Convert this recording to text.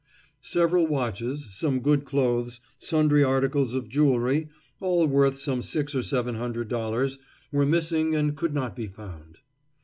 Several watches, some good clothes, sundry articles of jewelry, all worth some six or seven hundred dollars, were missing and could not be found.